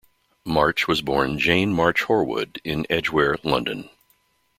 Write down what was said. March was born Jane March Horwood in Edgware, London.